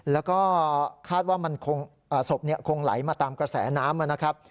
แล้วก็คาดว่าศพคงไหลมาตามกระแสน้ำนะครับ